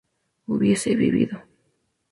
hubiese vivido